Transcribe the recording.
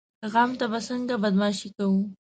غم ته به څنګه بدماشي کوو؟